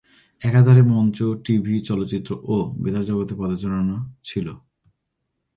একাধারে মঞ্চ, টিভি, চলচ্চিত্র ও বেতার জগতে পদচারণা ছিল।